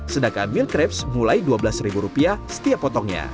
sedangkan milk crepes mulai dua belas ribu rupiah setiap potongnya